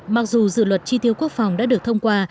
mặc dù dự luật chi tiêu quốc phòng đã được thông qua